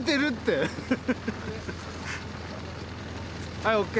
はいＯＫ